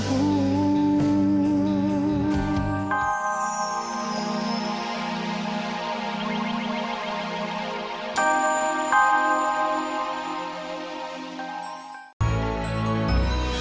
ku ingin kau kembali